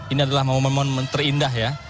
ini adalah momen momen terindah ya